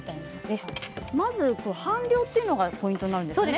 半量というのがポイントなんですね。